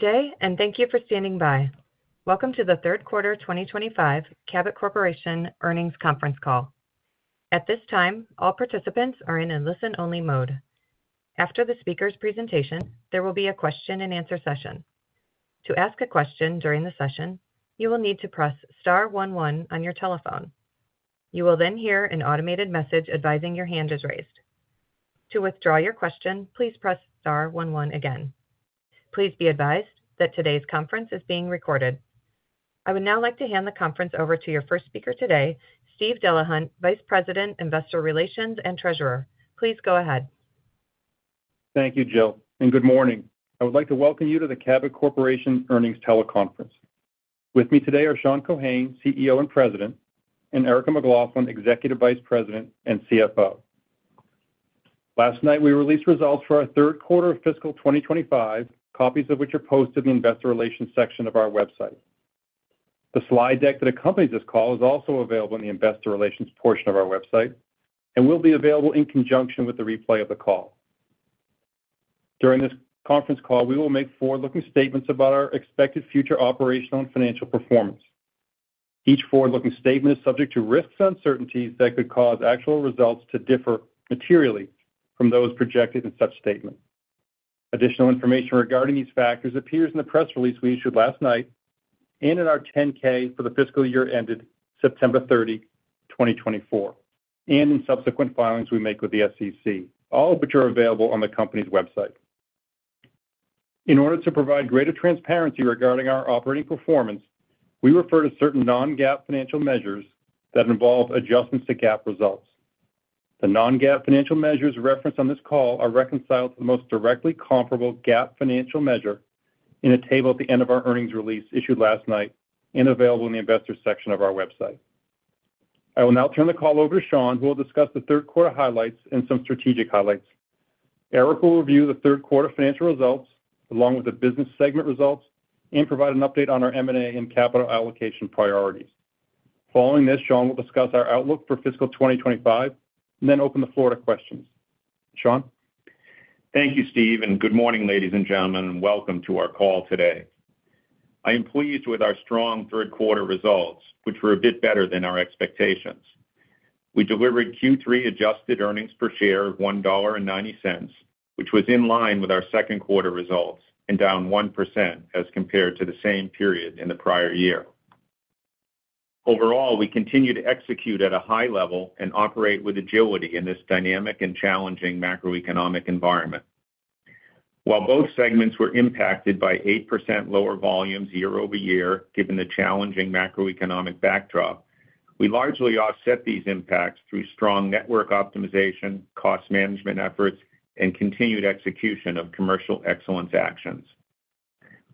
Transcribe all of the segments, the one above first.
Today, and thank you for standing by. Welcome to the Third Quarter 2025 Cabot Corporation Earnings Conference Call. At this time, all participants are in a listen-only mode. After the speaker's presentation, there will be a question and answer session. To ask a question during the session, you will need to press star one one on your telephone. You will then hear an automated message advising your hand is raised. To withdraw your question, please press star one one again. Please be advised that today's conference is being recorded. I would now like to hand the conference over to your first speaker today, Steve Delahunt, Vice President, Investor Relations, and Treasurer. Please go ahead. Thank you, Jill, and good morning. I would like to welcome you to the Cabot Corporation Earnings Teleconference. With me today are Sean Keohane, CEO and President, and Erica McLaughlin, Executive Vice President and CFO. Last night, we released results for our third quarter of fiscal 2025, copies of which are posted in the Investor Relations section of our website. The slide deck that accompanies this call is also available in the Investor Relations portion of our website and will be available in conjunction with the replay of the call. During this conference call, we will make forward-looking statements about our expected future operational and financial performance. Each forward-looking statement is subject to risks and uncertainties that could cause actual results to differ materially from those projected in such statements. Additional information regarding these factors appears in the press release we issued last night and in our 10-K for the fiscal year ended September 30, 2024, and in subsequent filings we make with the SEC, all of which are available on the company's website. In order to provide greater transparency regarding our operating performance, we refer to certain non-GAAP financial measures that involve adjustments to GAAP results. The non-GAAP financial measures referenced on this call are reconciled to the most directly comparable GAAP financial measure in a table at the end of our earnings release issued last night and available in the Investor section of our website. I will now turn the call over to Sean, who will discuss the third quarter highlights and some strategic highlights. Erica will review the third quarter financial results along with the business segment results and provide an update on our M&A and capital allocation priorities. Following this, Sean will discuss our outlook for fiscal 2025 and then open the floor to questions. Sean? Thank you, Steve, and good morning, ladies and gentlemen, and welcome to our call today. I am pleased with our strong third quarter results, which were a bit better than our expectations. We delivered Q3 adjusted earnings per share of $1.90, which was in line with our second quarter results and down 1% as compared to the same period in the prior year. Overall, we continue to execute at a high level and operate with agility in this dynamic and challenging macroeconomic environment. While both segments were impacted by 8% lower volumes year-over-year, given the challenging macroeconomic backdrop, we largely offset these impacts through strong network optimization, cost management efforts, and continued execution of commercial excellence actions.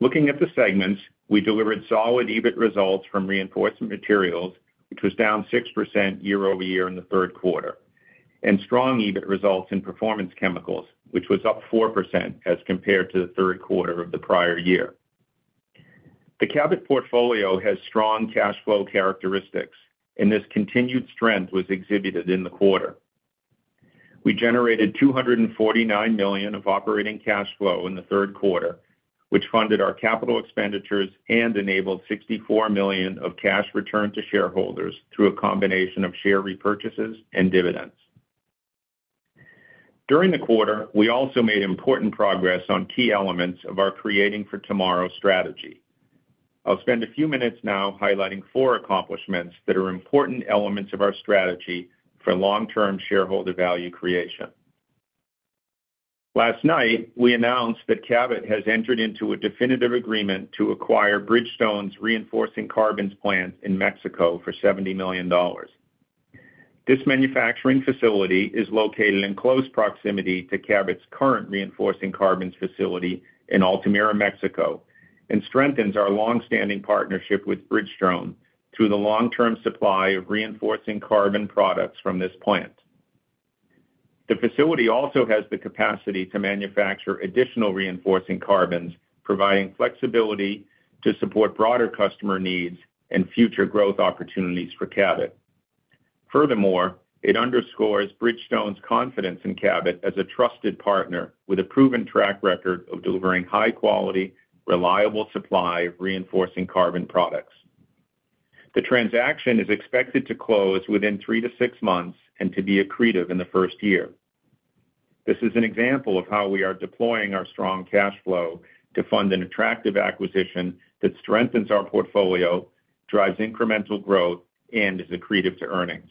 Looking at the segments, we delivered solid EBIT results from reinforcement materials, which was down 6% year-over-year in the third quarter, and strong EBIT results in performance chemicals, which was up 4% as compared to the third quarter of the prior year. The Cabot portfolio has strong cash flow characteristics, and this continued strength was exhibited in the quarter. We generated $249 million of operating cash flow in the third quarter, which funded our capital expenditures and enabled $64 million of cash return to shareholders through a combination of share repurchases and dividends. During the quarter, we also made important progress on key elements of our Creating for Tomorrow strategy. I'll spend a few minutes now highlighting four accomplishments that are important elements of our strategy for long-term shareholder value creation. Last night, we announced that Cabot has entered into a definitive agreement to acquire Bridgestone's reinforcing carbons plant in Mexico for $70 million. This manufacturing facility is located in close proximity to Cabot's current reinforcing carbons facility in Altamira, Mexico, and strengthens our longstanding partnership with Bridgestone through the long-term supply of reinforcing carbon products from this plant. The facility also has the capacity to manufacture additional reinforcing carbons, providing flexibility to support broader customer needs and future growth opportunities for Cabot. Furthermore, it underscores Bridgestone's confidence in Cabot as a trusted partner with a proven track record of delivering high-quality, reliable supply of reinforcing carbon products. The transaction is expected to close within three to six months and to be accretive in the first year. This is an example of how we are deploying our strong cash flow to fund an attractive acquisition that strengthens our portfolio, drives incremental growth, and is accretive to earnings.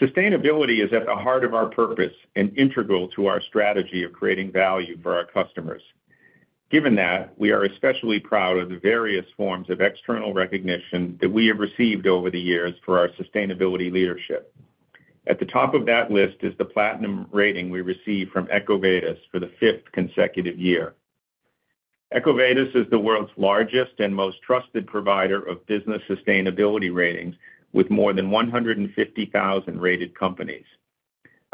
Sustainability is at the heart of our purpose and integral to our strategy of creating value for our customers. Given that, we are especially proud of the various forms of external recognition that we have received over the years for our sustainability leadership. At the top of that list is the Platinum rating we received from EcoVadis for the fifth consecutive year. EcoVadis is the world's largest and most trusted provider of business sustainability ratings with more than 150,000 rated companies.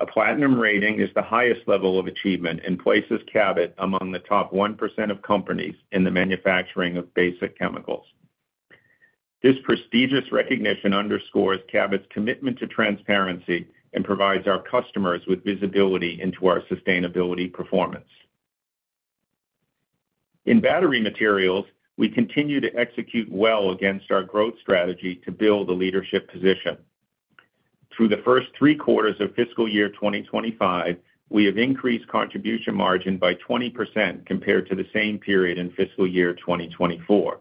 A Platinum rating is the highest level of achievement and places Cabot among the top 1% of companies in the manufacturing of basic chemicals. This prestigious recognition underscores Cabot's commitment to transparency and provides our customers with visibility into our sustainability performance. In battery materials, we continue to execute well against our growth strategy to build a leadership position. Through the first three quarters of fiscal year 2025, we have increased contribution margin by 20% compared to the same period in fiscal year 2024.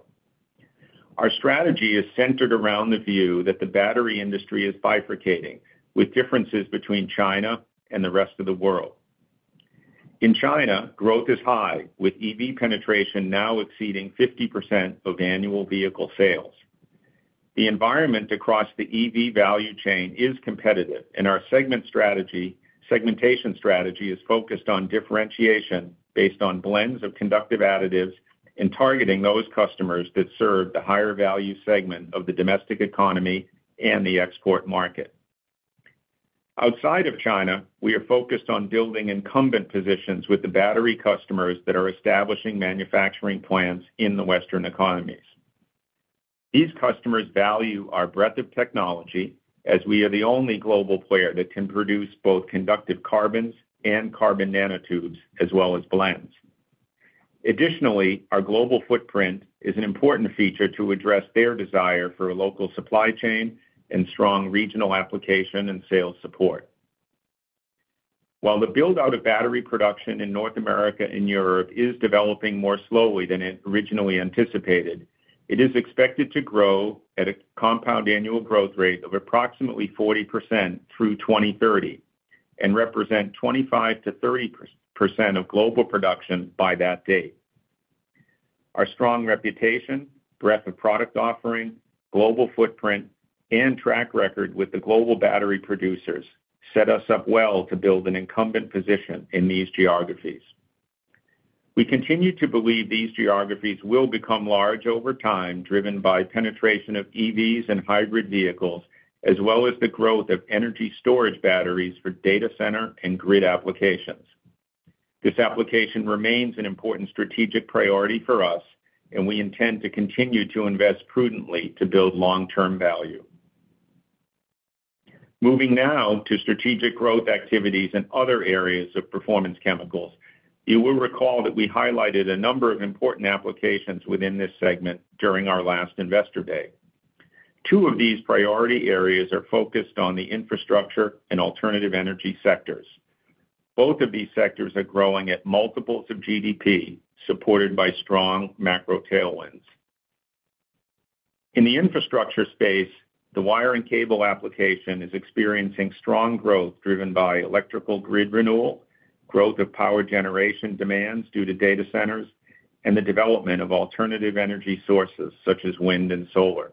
Our strategy is centered around the view that the battery industry is bifurcating with differences between China and the rest of the world. In China, growth is high, with EV penetration now exceeding 50% of annual vehicle sales. The environment across the EV value chain is competitive, and our segmentation strategy is focused on differentiation based on blends of conductive additives and targeting those customers that serve the higher value segment of the domestic economy and the export market. Outside of China, we are focused on building incumbent positions with the battery customers that are establishing manufacturing plants in the Western economies. These customers value our breadth of technology, as we are the only global player that can produce both conductive carbons and carbon nanotubes, as well as blends. Additionally, our global footprint is an important feature to address their desire for a local supply chain and strong regional application and sales support. While the build-out of battery production in North America and Europe is developing more slowly than it originally anticipated, it is expected to grow at a compound annual growth rate of approximately 40% through 2030 and represent 25%-30% of global production by that date. Our strong reputation, breadth of product offering, global footprint, and track record with the global battery producers set us up well to build an incumbent position in these geographies. We continue to believe these geographies will become large over time, driven by the penetration of EVs and hybrid vehicles, as well as the growth of energy storage batteries for data center and grid applications. This application remains an important strategic priority for us, and we intend to continue to invest prudently to build long-term value. Moving now to strategic growth activities in other areas of performance chemicals, you will recall that we highlighted a number of important applications within this segment during our last Investor Day. Two of these priority areas are focused on the infrastructure and alternative energy sectors. Both of these sectors are growing at multiples of GDP, supported by strong macro tailwinds. In the infrastructure space, the wire and cable application is experiencing strong growth driven by electrical grid renewal, growth of power generation demands due to data centers, and the development of alternative energy sources such as wind and solar.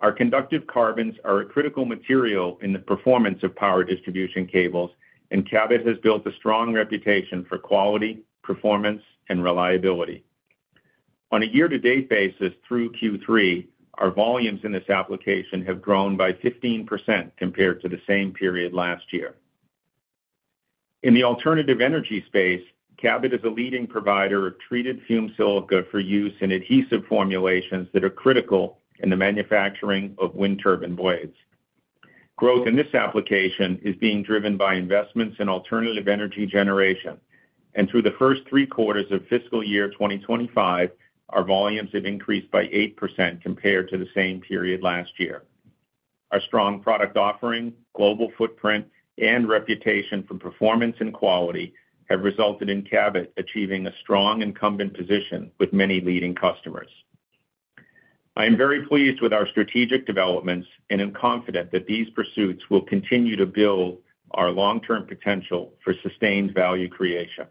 Our conductive carbons are a critical material in the performance of power distribution cables, and Cabot has built a strong reputation for quality, performance, and reliability. On a year-to-date basis through Q3, our volumes in this application have grown by 15% compared to the same period last year. In the alternative energy space, Cabot is a leading provider of treated fume silica for use in adhesive formulations that are critical in the manufacturing of wind turbine blades. Growth in this application is being driven by investments in alternative energy generation, and through the first three quarters of fiscal year 2025, our volumes have increased by 8% compared to the same period last year. Our strong product offering, global footprint, and reputation for performance and quality have resulted in Cabot achieving a strong incumbent position with many leading customers. I am very pleased with our strategic developments and am confident that these pursuits will continue to build our long-term potential for sustained value creation.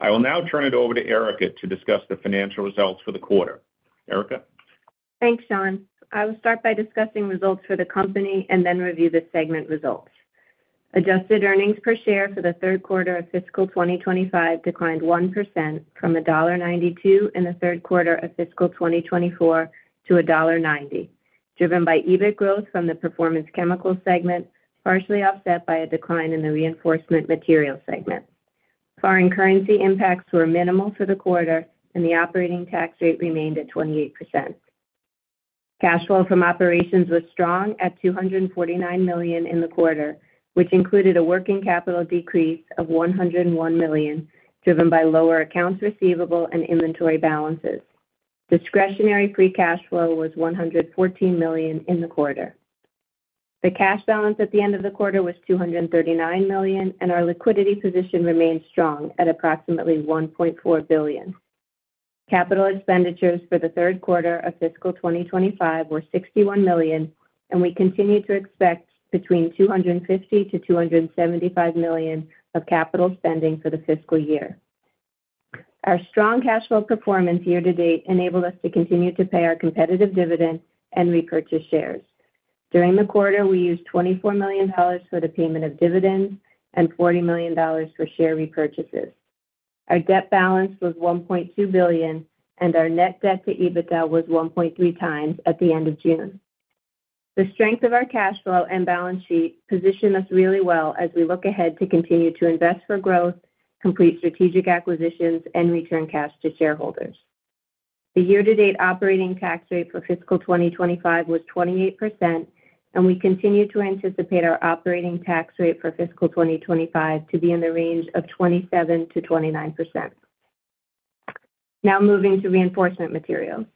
I will now turn it over to Erica to discuss the financial results for the quarter. Erica? Thanks, Sean. I will start by discussing results for the company and then review the segment results. Adjusted earnings per share for the third quarter of fiscal 2025 declined 1% from $1.92 in the third quarter of fiscal 2024 to $1.90, driven by EBIT growth from the performance chemicals segment, partially offset by a decline in the reinforcement materials segment. Foreign currency impacts were minimal for the quarter, and the operating tax rate remained at 28%. Cash flow from operations was strong at $249 million in the quarter, which included a working capital decrease of $101 million, driven by lower accounts receivable and inventory balances. Discretionary free cash flow was $114 million in the quarter. The cash balance at the end of the quarter was $239 million, and our liquidity position remained strong at approximately $1.4 billion. Capital expenditures for the third quarter of fiscal 2025 were $61 million, and we continue to expect between $250 million-$275 million of capital spending for the fiscal year. Our strong cash flow performance year to date enabled us to continue to pay our competitive dividend and repurchase shares. During the quarter, we used $24 million for the payment of dividends and $40 million for share repurchases. Our debt balance was $1.2 billion, and our net debt to EBITDA was 1.3x at the end of June. The strength of our cash flow and balance sheet positioned us really well as we look ahead to continue to invest for growth, complete strategic acquisitions, and return cash to shareholders. The year-to-date operating tax rate for fiscal 2025 was 28%, and we continue to anticipate our operating tax rate for fiscal 2025 to be in the range of 27%-29%. Now moving to reinforcement materials.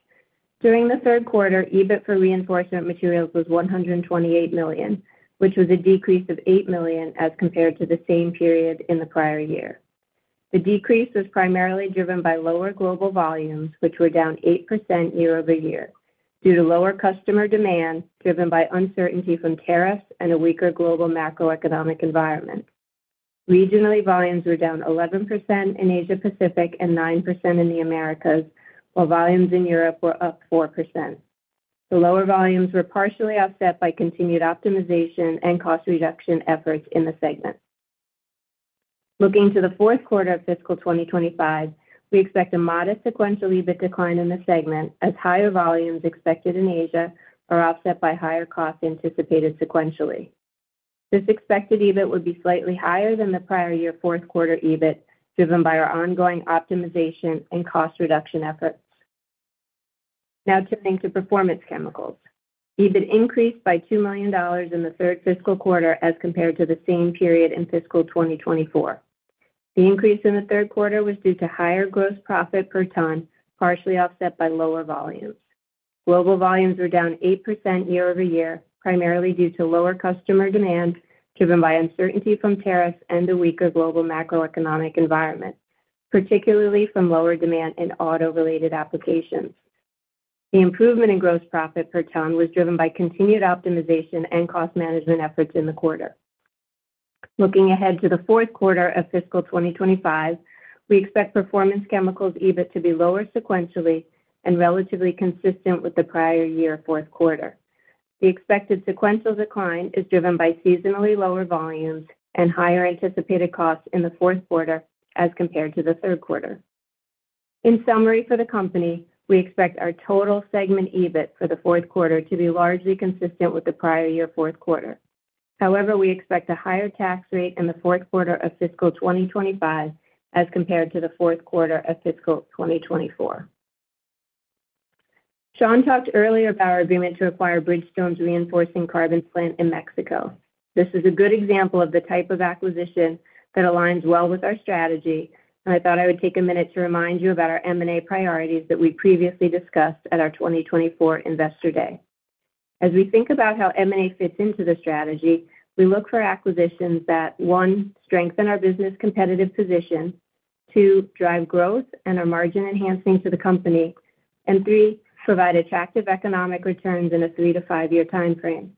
During the third quarter, EBIT for reinforcement materials was $128 million, which was a decrease of $8 million as compared to the same period in the prior year. The decrease was primarily driven by lower global volumes, which were down 8% year-over-year due to lower customer demand driven by uncertainty from tariffs and a weaker global macroeconomic environment. Regionally, volumes were down 11% in Asia-Pacific and 9% in the Americas, while volumes in Europe were up 4%. The lower volumes were partially offset by continued optimization and cost reduction efforts in the segment. Looking to the fourth quarter of fiscal 2025, we expect a modest sequential EBIT decline in the segment as higher volumes expected in Asia are offset by higher costs anticipated sequentially. This expected EBIT would be slightly higher than the prior year fourth quarter EBIT, driven by our ongoing optimization and cost reduction efforts. Now turning to performance chemicals, EBIT increased by $2 million in the third fiscal quarter as compared to the same period in fiscal 2024. The increase in the third quarter was due to higher gross profit per ton, partially offset by lower volumes. Global volumes were down 8% year-over-year, primarily due to lower customer demand driven by uncertainty from tariffs and a weaker global macroeconomic environment, particularly from lower demand in auto-related applications. The improvement in gross profit per ton was driven by continued optimization and cost management efforts in the quarter. Looking ahead to the fourth quarter of fiscal 2025, we expect performance chemicals EBIT to be lower sequentially and relatively consistent with the prior year fourth quarter. The expected sequential decline is driven by seasonally lower volumes and higher anticipated costs in the fourth quarter as compared to the third quarter. In summary, for the company, we expect our total segment EBIT for the fourth quarter to be largely consistent with the prior year fourth quarter. However, we expect a higher tax rate in the fourth quarter of fiscal 2025 as compared to the fourth quarter of fiscal 2024. Sean talked earlier about our agreement to acquire Bridgestone's reinforcing carbons plant in Mexico. This is a good example of the type of acquisition that aligns well with our strategy, and I thought I would take a minute to remind you about our M&A priorities that we previously discussed at our 2024 Investor Day. As we think about how M&A fits into the strategy, we look for acquisitions that, one, strengthen our business competitive position; two, drive growth and are margin enhancing to the company; and three, provide attractive economic returns in a three to five-year timeframe.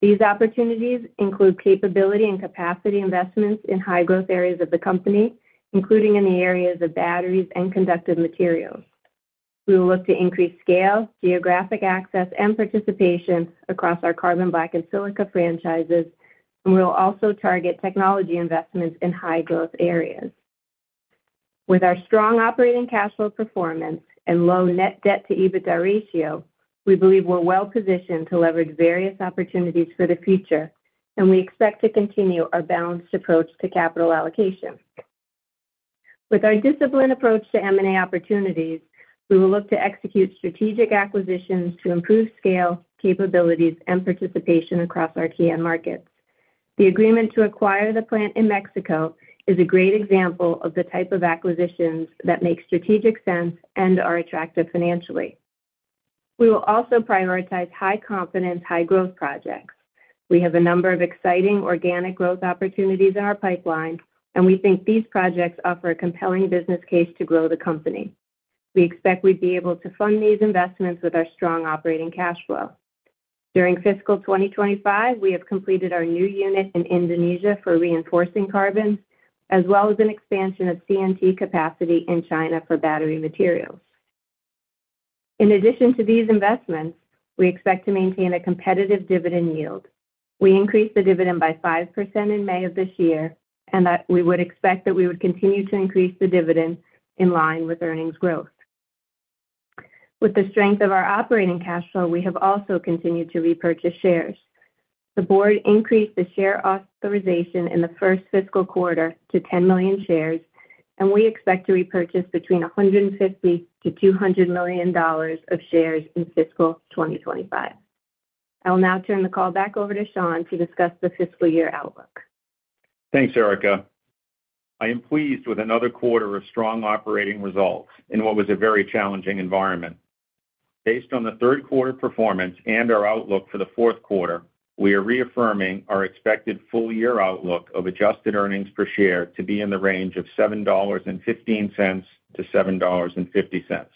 These opportunities include capability and capacity investments in high-growth areas of the company, including in the areas of batteries and conductive materials. We will look to increase scale, geographic access, and participation across our carbon black and silica franchises, and we will also target technology investments in high-growth areas. With our strong operating cash flow performance and low net debt to EBITDA ratio, we believe we're well-positioned to leverage various opportunities for the future, and we expect to continue our balanced approach to capital allocation. With our disciplined approach to M&A opportunities, we will look to execute strategic acquisitions to improve scale, capabilities, and participation across our key end markets. The agreement to acquire the plant in Mexico is a great example of the type of acquisitions that make strategic sense and are attractive financially. We will also prioritize high-confidence, high-growth projects. We have a number of exciting organic growth opportunities in our pipeline, and we think these projects offer a compelling business case to grow the company. We expect we'd be able to fund these investments with our strong operating cash flow. During fiscal 2025, we have completed our new unit in Indonesia for reinforcing carbons, as well as an expansion of CNT capacity in China for battery materials. In addition to these investments, we expect to maintain a competitive dividend yield. We increased the dividend by 5% in May of this year, and we would expect that we would continue to increase the dividend in line with earnings growth. With the strength of our operating cash flow, we have also continued to repurchase shares. The Board increased the share authorization in the first fiscal quarter to 10 million shares, and we expect to repurchase between $150 million-$200 million of shares in fiscal 2025. I will now turn the call back over to Sean to discuss the fiscal year outlook. Thanks, Erica. I am pleased with another quarter of strong operating results in what was a very challenging environment. Based on the third quarter performance and our outlook for the fourth quarter, we are reaffirming our expected full-year outlook of adjusted earnings per share to be in the range of $7.15-$7.50.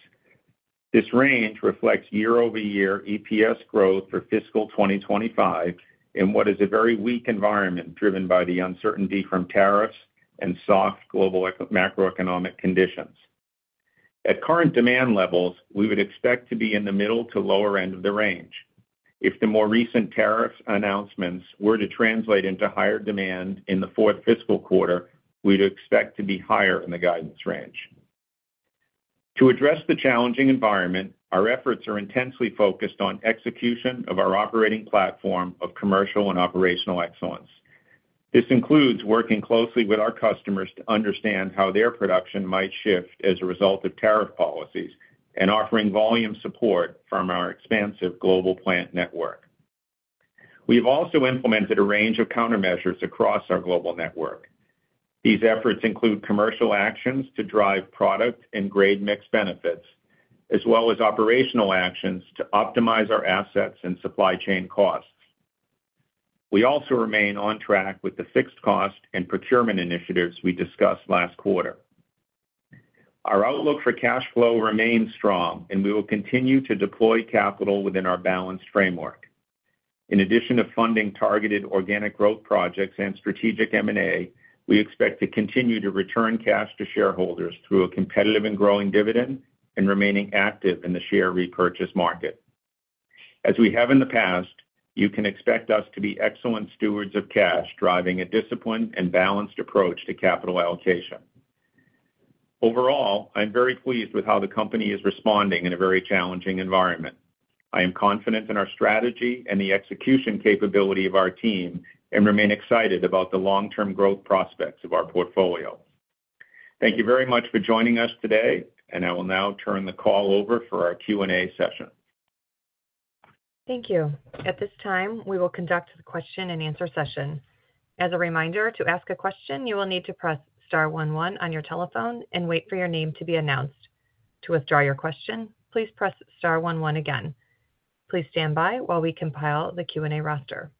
This range reflects year-over-year EPS growth for fiscal 2025 in what is a very weak environment driven by the uncertainty from tariffs and soft global macroeconomic conditions. At current demand levels, we would expect to be in the middle to lower end of the range. If the more recent tariff announcements were to translate into higher demand in the fourth fiscal quarter, we'd expect to be higher in the guidance range. To address the challenging environment, our efforts are intensely focused on execution of our operating platform of commercial and operational excellence. This includes working closely with our customers to understand how their production might shift as a result of tariff policies and offering volume support from our expansive global plant network. We have also implemented a range of countermeasures across our global network. These efforts include commercial actions to drive product and grade mix benefits, as well as operational actions to optimize our assets and supply chain costs. We also remain on track with the fixed cost and procurement initiatives we discussed last quarter. Our outlook for cash flow remains strong, and we will continue to deploy capital within our balanced framework. In addition to funding targeted organic growth projects and strategic M&A, we expect to continue to return cash to shareholders through a competitive and growing dividend and remaining active in the share repurchase market. As we have in the past, you can expect us to be excellent stewards of cash, driving a disciplined and balanced approach to capital allocation. Overall, I'm very pleased with how the company is responding in a very challenging environment. I am confident in our strategy and the execution capability of our team and remain excited about the long-term growth prospects of our portfolio. Thank you very much for joining us today, and I will now turn the call over for our Q&A session. Thank you. At this time, we will conduct the question and answer session. As a reminder, to ask a question, you will need to press star one one on your telephone and wait for your name to be announced. To withdraw your question, please press star one one again. Please stand by while we compile the Q&A roster.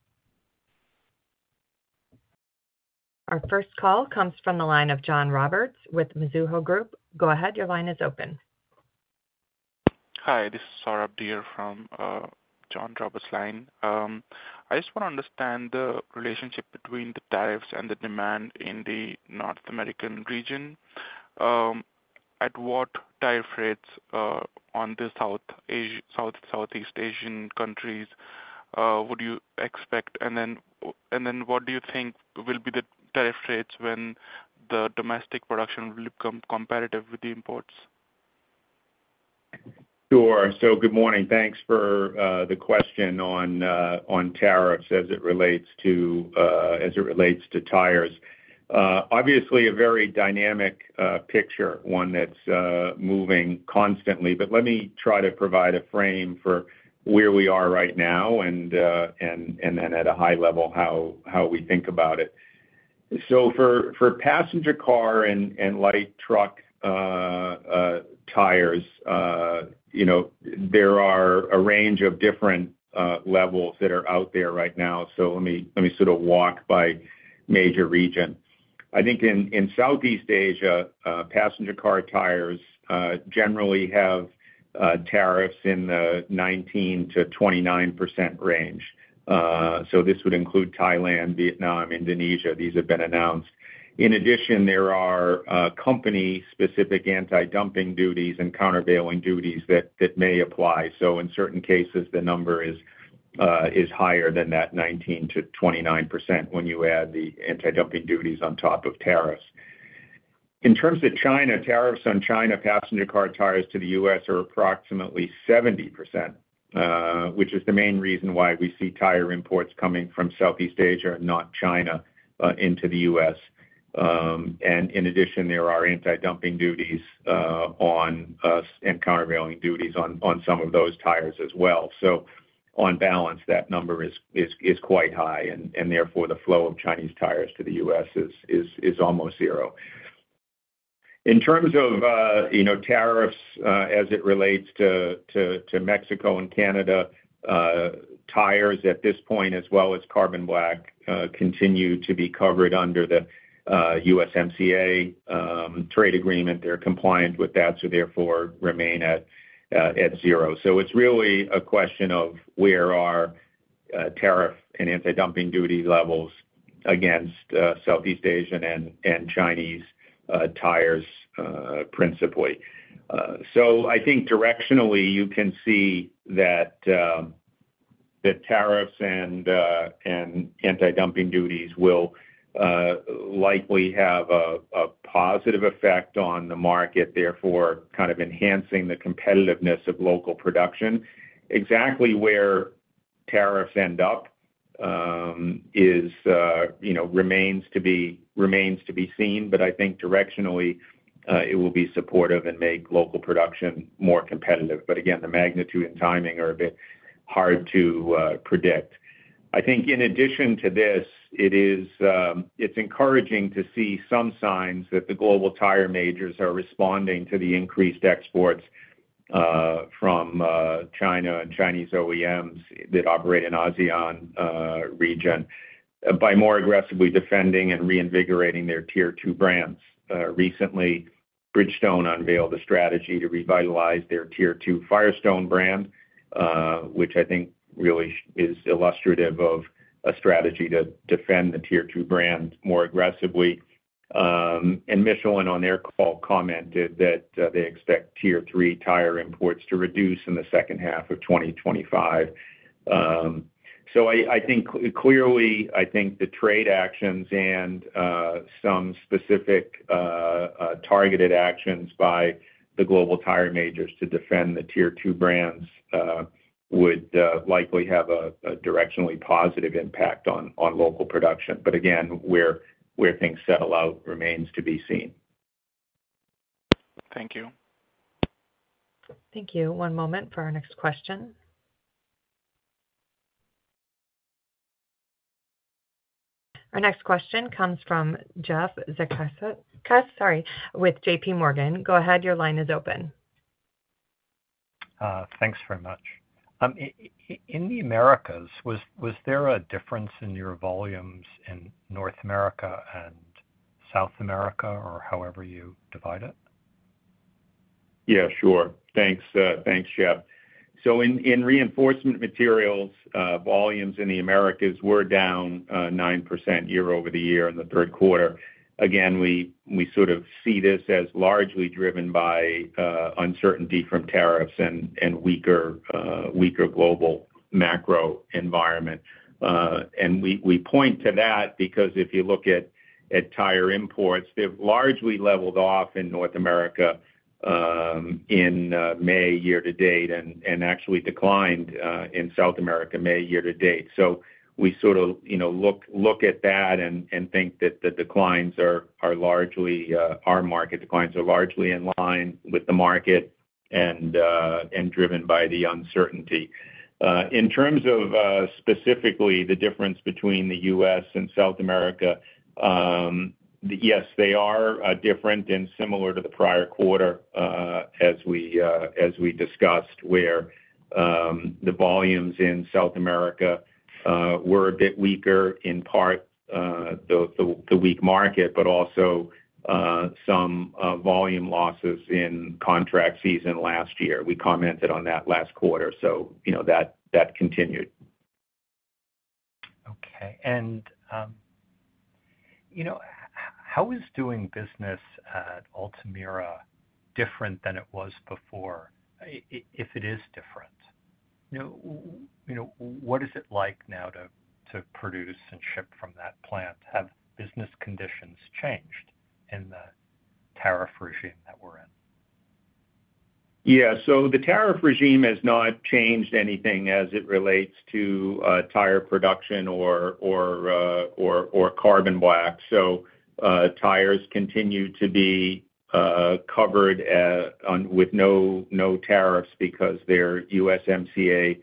Our first call comes from the line of John Roberts with Mizuho Group. Go ahead, your line is open. Hi, this is Saurabh Dhir from John Roberts' line. I just want to understand the relationship between the tariffs and the demand in the North American region. At what tariff rates on the South Southeast Asian countries would you expect? What do you think will be the tariff rates when the domestic production will become comparative with the imports? Sure. Good morning. Thanks for the question on tariffs as it relates to tires. Obviously, a very dynamic picture, one that's moving constantly. Let me try to provide a frame for where we are right now and then at a high level how we think about it. For passenger car and light truck tires, you know, there are a range of different levels that are out there right now. Let me sort of walk by major region. I think in Southeast Asia, passenger car tires generally have tariffs in the 19%-29% range. This would include Thailand, Vietnam, Indonesia. These have been announced. In addition, there are company-specific anti-dumping duties and countervailing duties that may apply. In certain cases, the number is higher than that 19%-29% when you add the anti-dumping duties on top of tariffs. In terms of China, tariffs on China passenger car tires to the U.S. are approximately 70%, which is the main reason why we see tire imports coming from Southeast Asia, not China, into the U.S. In addition, there are anti-dumping duties and countervailing duties on some of those tires as well. On balance, that number is quite high, and therefore the flow of Chinese tires to the U.S. is almost zero. In terms of tariffs as it relates to Mexico and Canada, tires at this point, as well as carbon black, continue to be covered under the USMCA trade agreement. They're compliant with that, so therefore remain at zero. It's really a question of where are tariff and anti-dumping duty levels against Southeast Asian and Chinese tires principally. I think directionally you can see that tariffs and anti-dumping duties will likely have a positive effect on the market, therefore kind of enhancing the competitiveness of local production. Exactly where tariffs end up remains to be seen, but I think directionally it will be supportive and make local production more competitive. Again, the magnitude and timing are a bit hard to predict. I think in addition to this, it's encouraging to see some signs that the global tire majors are responding to the increased exports from China and Chinese OEMs that operate in the ASEAN region by more aggressively defending and reinvigorating their Tier 2 brands. Recently, Bridgestone unveiled a strategy to revitalize their Tier 2 Firestone brand, which I think really is illustrative of a strategy to defend the Tier 2 brand more aggressively. Michelin on their call commented that they expect Tier 3 tire imports to reduce in the second half of 2025. I think clearly, the trade actions and some specific targeted actions by the global tire majors to defend the Tier 2 brands would likely have a directionally positive impact on local production. Again, where things settle out remains to be seen. Thank you. Thank you. One moment for our next question. Our next question comes from Jeff Zekauskas with JPMorgan. Go ahead, your line is open. Thanks very much. In the Americas, was there a difference in your volumes in North America and South America or however you divide it? Yeah, sure. Thanks, Jeff. In reinforcement materials, volumes in the Americas were down 9% year-over-year in the third quarter. We sort of see this as largely driven by uncertainty from tariffs and a weaker global macro environment. We point to that because if you look at tire imports, they've largely leveled off in North America in May year to date and actually declined in South America May year to date. We sort of look at that and think that the declines are largely, our market declines are largely in line with the market and driven by the uncertainty. In terms of specifically the difference between the U.S. and South America, yes, they are different and similar to the prior quarter as we discussed where the volumes in South America were a bit weaker, in part the weak market, but also some volume losses in contract season last year. We commented on that last quarter, so that continued. How is doing business at Altamira different than it was before? If it is different, what is it like now to produce and ship from that plant? Have business conditions changed in the tariff regime that we're in? Yeah, the tariff regime has not changed anything as it relates to tire production or carbon black. Tires continue to be covered with no tariffs because they're USMCA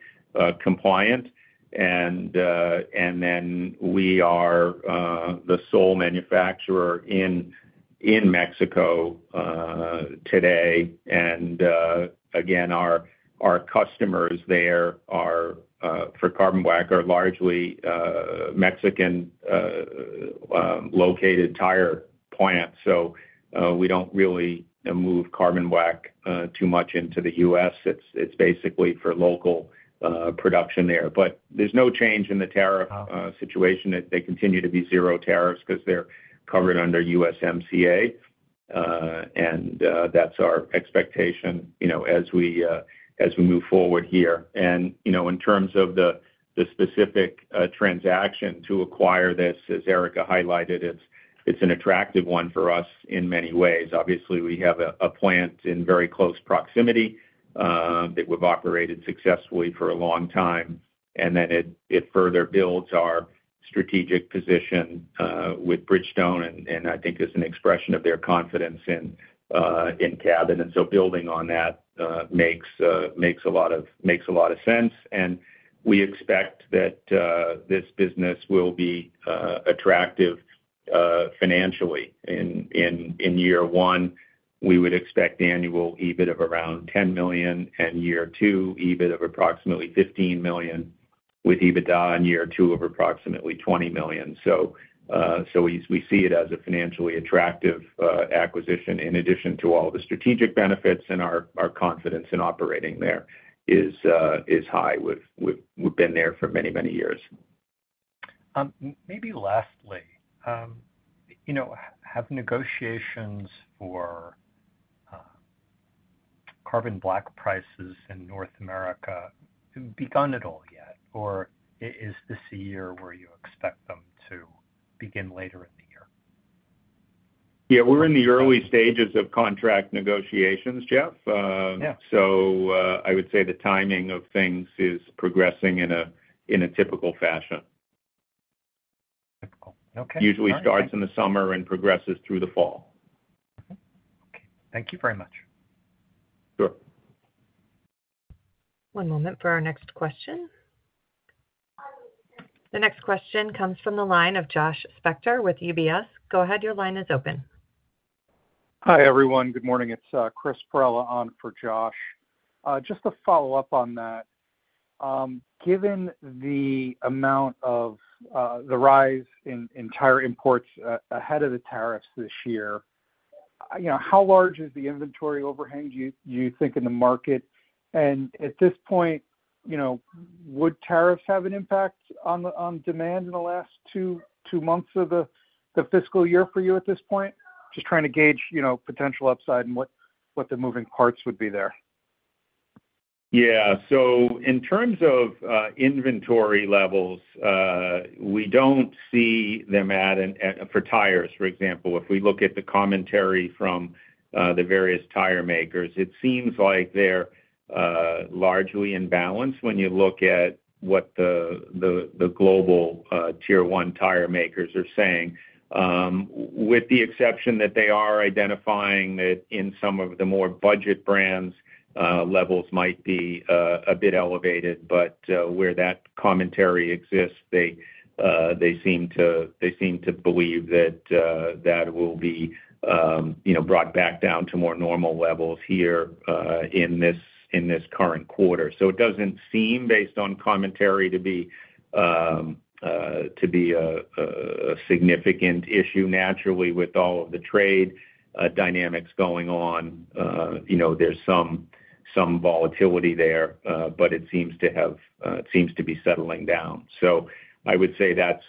compliant. We are the sole manufacturer in Mexico today. Our customers there for carbon black are largely Mexican-located tire plants. We don't really move carbon black too much into the U.S. It's basically for local production there. There's no change in the tariff situation. They continue to be zero tariffs because they're covered under USMCA. That's our expectation as we move forward here. In terms of the specific transaction to acquire this, as Erica highlighted, it's an attractive one for us in many ways. We have a plant in very close proximity that we've operated successfully for a long time. It further builds our strategic position with Bridgestone, and I think it's an expression of their confidence in Cabot. Building on that makes a lot of sense. We expect that this business will be attractive financially. In year one, we would expect annual EBIT of around $10 million, and year two, EBIT of approximately $15 million, with EBITDA in year two of approximately $20 million. We see it as a financially attractive acquisition in addition to all the strategic benefits, and our confidence in operating there is high. We've been there for many, many years. Maybe lastly, have negotiations for carbon black prices in North America begun at all yet, or is this a year where you expect them to begin later in the year? Yeah, we're in the early stages of contract negotiations, Jeff. I would say the timing of things is progressing in a typical fashion. Typical. Okay. Usually starts in the summer and progresses through the fall. Thank you very much. Sure. One moment for our next question. The next question comes from the line of Josh Spector with UBS. Go ahead, your line is open. Hi, everyone. Good morning. It's Chris Perrella on for Josh. Just to follow up on that, given the amount of the rise in tire imports ahead of the tariffs this year, how large is the inventory overhang do you think in the market? At this point, would tariffs have an impact on demand in the last two months of the fiscal year for you at this point? Just trying to gauge potential upside and what the moving parts would be there. Yeah, in terms of inventory levels, we don't see them at an, for tires, for example, if we look at the commentary from the various tire makers, it seems like they're largely in balance when you look at what the global Tier 1 tire makers are saying. With the exception that they are identifying that in some of the more budget brands, levels might be a bit elevated, but where that commentary exists, they seem to believe that that will be brought back down to more normal levels here in this current quarter. It doesn't seem, based on commentary, to be a significant issue. Naturally, with all of the trade dynamics going on, there's some volatility there, but it seems to be settling down. I would say that's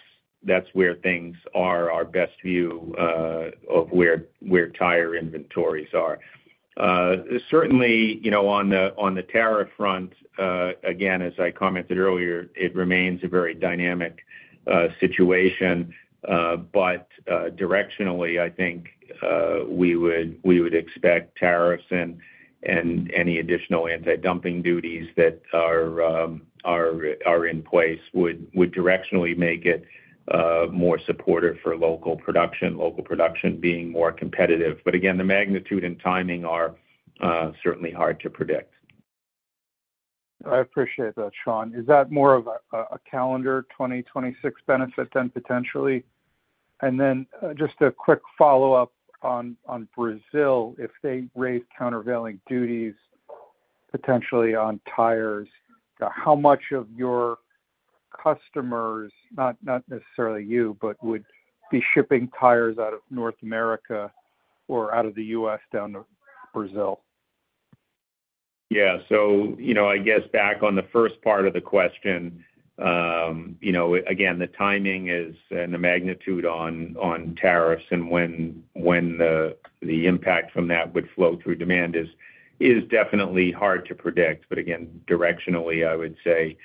where things are, our best view of where tire inventories are. Certainly, on the tariff front, again, as I commented earlier, it remains a very dynamic situation. Directionally, I think we would expect tariffs and any additional anti-dumping duties that are in place would directionally make it more supportive for local production, local production being more competitive. The magnitude and timing are certainly hard to predict. I appreciate that, Sean. Is that more of a calendar 2026 benefit then potentially? Just a quick follow-up on Brazil. If they raise countervailing duties potentially on tires, how much of your customers, not necessarily you, but would be shipping tires out of North America or out of the U.S. down to Brazil? Yeah, I guess back on the first part of the question, the timing is and the magnitude on tariffs and when the impact from that would flow through demand is definitely hard to predict. Again, directionally, I would say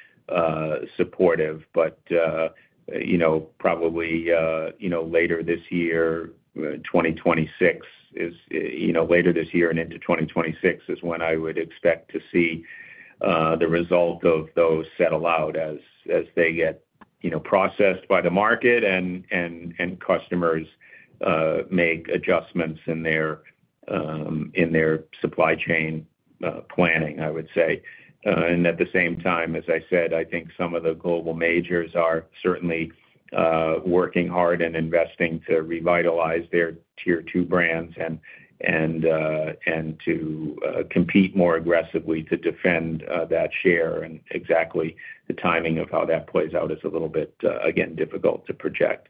supportive. Probably later this year, 2026 is, later this year and into 2026 is when I would expect to see the result of those settle out as they get processed by the market and customers make adjustments in their supply chain planning, I would say. At the same time, as I said, I think some of the global majors are certainly working hard and investing to revitalize their Tier 2 brands and to compete more aggressively to defend that share. Exactly the timing of how that plays out is a little bit, again, difficult to project.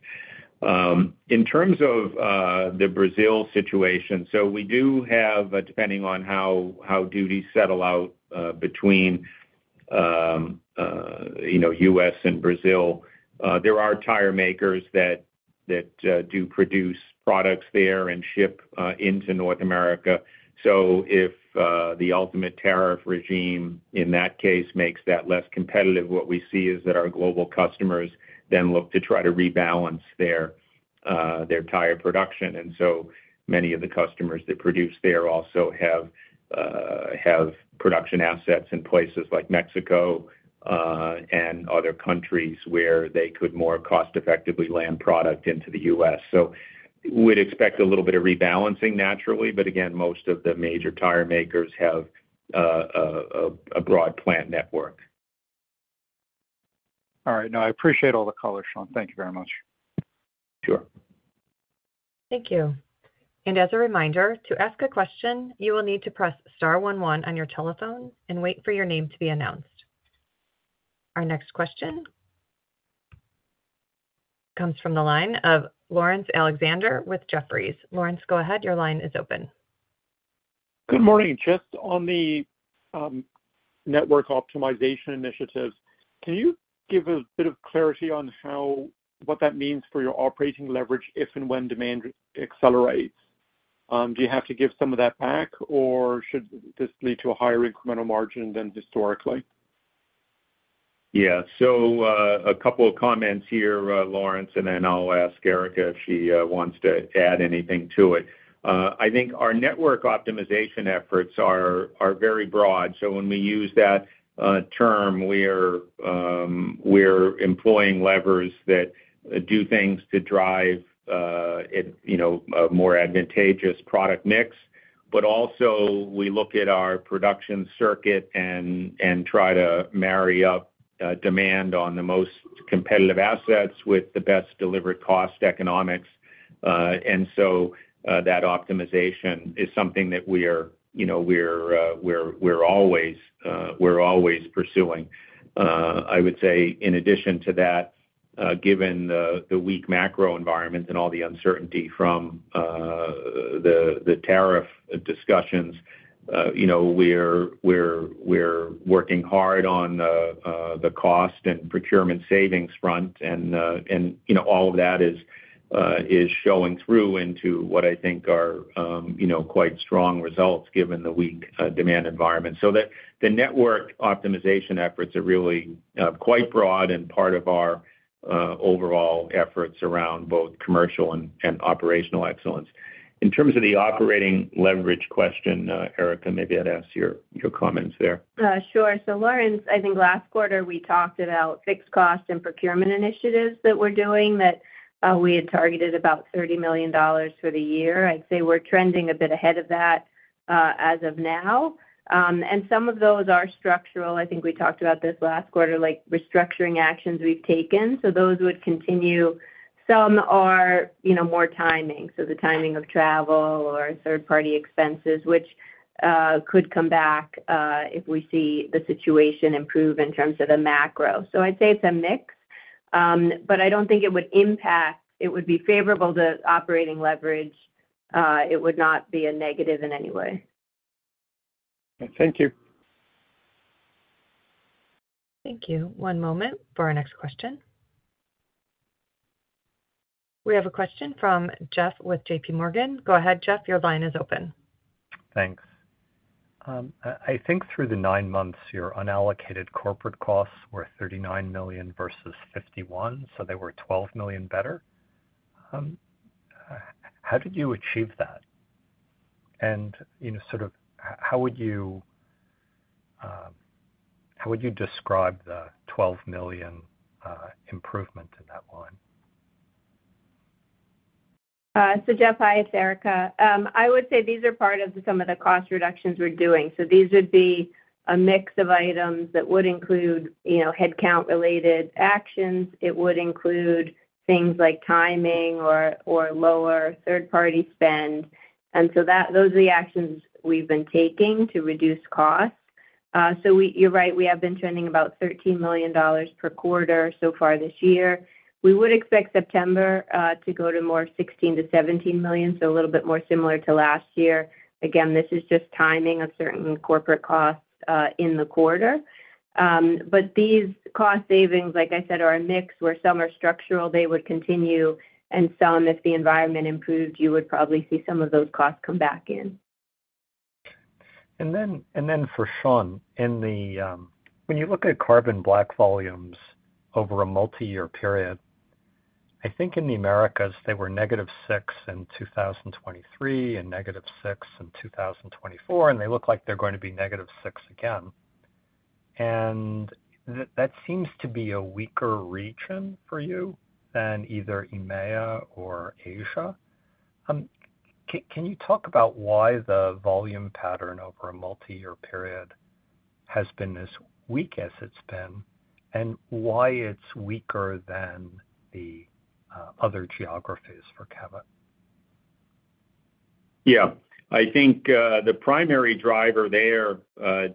In terms of the Brazil situation, we do have, depending on how duties settle out between the U.S. and Brazil, there are tire makers that do produce products there and ship into North America. If the ultimate tariff regime in that case makes that less competitive, what we see is that our global customers then look to try to rebalance their tire production. Many of the customers that produce there also have production assets in places like Mexico and other countries where they could more cost-effectively land product into the U.S. We'd expect a little bit of rebalancing naturally, but most of the major tire makers have a broad plant network. All right. No, I appreciate all the color, Sean. Thank you very much. Sure. Thank you. As a reminder, to ask a question, you will need to press star one one on your telephone and wait for your name to be announced. Our next question comes from the line of Laurence Alexander with Jefferies. Laurence, go ahead. Your line is open. Good morning. Just on the network optimization initiatives, can you give a bit of clarity on what that means for your operating leverage if and when demand accelerates? Do you have to give some of that back, or should this lead to a higher incremental margin than historically? Yeah, so a couple of comments here, Laurence, and then I'll ask Erica if she wants to add anything to it. I think our network optimization efforts are very broad. When we use that term, we're employing levers that do things to drive a more advantageous product mix. We also look at our production circuit and try to marry up demand on the most competitive assets with the best delivered cost economics. That optimization is something that we're always pursuing. I would say in addition to that, given the weak macro environment and all the uncertainty from the tariff discussions, we're working hard on the cost and procurement savings front. All of that is showing through into what I think are quite strong results given the weak demand environment. The network optimization efforts are really quite broad and part of our overall efforts around both commercial and operational excellence. In terms of the operating leverage question, Erica, maybe I'd ask your comments there. Sure. Laurence, I think last quarter we talked about fixed cost and procurement initiatives that we're doing that we had targeted about $30 million for the year. I'd say we're trending a bit ahead of that as of now. Some of those are structural. I think we talked about this last quarter, like restructuring actions we've taken. Those would continue. Some are more timing, like the timing of travel or third-party expenses, which could come back if we see the situation improve in terms of the macro. It's a mix. I don't think it would impact, it would be favorable to operating leverage. It would not be a negative in any way. Thank you. Thank you. One moment for our next question. We have a question from Jeff with JPMorgan. Go ahead, Jeff. Your line is open. Thanks. I think through the nine months, your unallocated corporate costs were $39 million versus $51 million, so they were $12 million better. How did you achieve that? How would you describe the $12 million improvement in that line? Jeff, it's Erica. I would say these are part of some of the cost reductions we're doing. These would be a mix of items that would include headcount-related actions. It would include things like timing or lower third-party spend. Those are the actions we've been taking to reduce costs. You're right, we have been trending about $13 million per quarter so far this year. We would expect September to go to more $16 million-$17 million, a little bit more similar to last year. Again, this is just timing of certain corporate costs in the quarter. These cost savings, like I said, are a mix where some are structural, they would continue, and some, if the environment improved, you would probably see some of those costs come back in. For Sean, when you look at carbon black volumes over a multi-year period, I think in the Americas, they were -6% in 2023 and -6% in 2024, and they look like they're going to be -6% again. That seems to be a weaker region for you than either EMEA or Asia. Can you talk about why the volume pattern over a multi-year period has been as weak as it's been and why it's weaker than the other geographies for Cabot? Yeah, I think the primary driver there,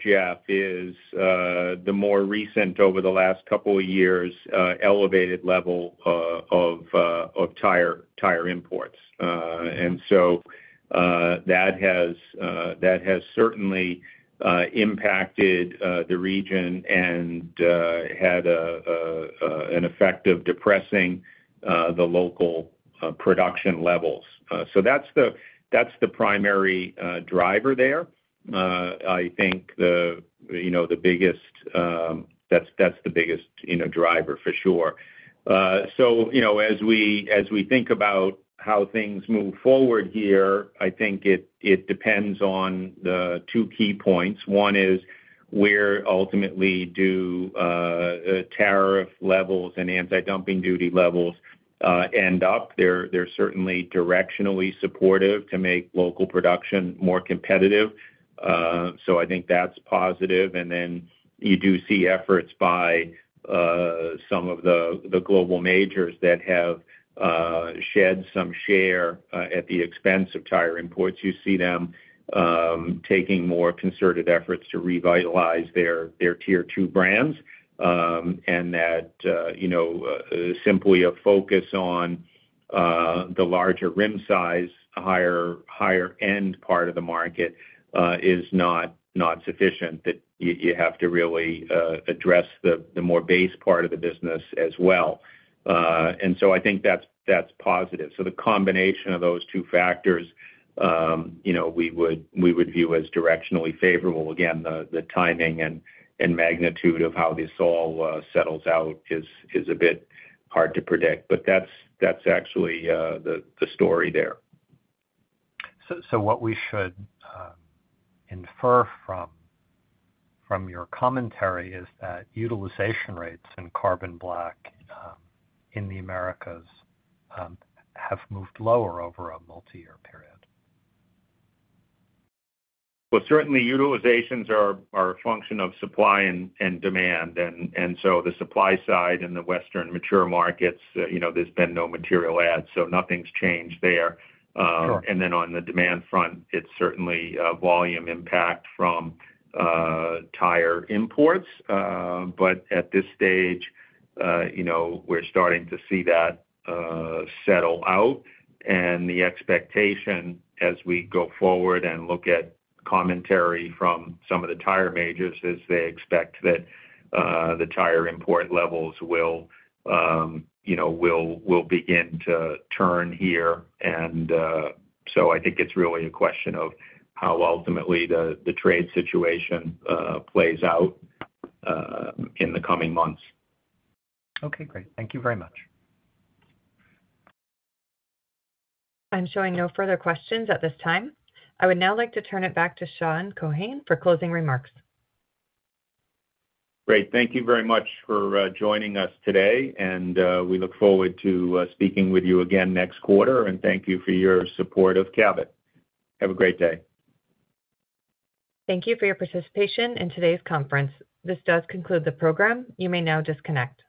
Jeff, is the more recent, over the last couple of years, elevated level of tire imports. That has certainly impacted the region and had an effect of depressing the local production levels. That's the primary driver there. I think that's the biggest driver for sure. As we think about how things move forward here, I think it depends on the two key points. One is where ultimately do tariff levels and anti-dumping duty levels end up. They're certainly directionally supportive to make local production more competitive. I think that's positive. You do see efforts by some of the global majors that have shed some share at the expense of tire imports. You see them taking more concerted efforts to revitalize their Tier 2 brands. Simply a focus on the larger rim size, higher-end part of the market is not sufficient. You have to really address the more base part of the business as well. I think that's positive. The combination of those two factors, we would view as directionally favorable. Again, the timing and magnitude of how this all settles out is a bit hard to predict. That's actually the story there. What we should infer from your commentary is that utilization rates in carbon black in the Americas have moved lower over a multi-year period. Utilizations are a function of supply and demand. On the supply side in the Western mature markets, there's been no material adds, so nothing's changed there. On the demand front, it's certainly a volume impact from tire imports. At this stage, we're starting to see that settle out. The expectation as we go forward and look at commentary from some of the tire majors is they expect that the tire import levels will begin to turn here. I think it's really a question of how ultimately the trade situation plays out in the coming months. Okay, great. Thank you very much. I'm showing no further questions at this time. I would now like to turn it back to Sean Keohane for closing remarks. Great. Thank you very much for joining us today. We look forward to speaking with you again next quarter. Thank you for your support of Cabot. Have a great day. Thank you for your participation in today's conference. This does conclude the program. You may now disconnect.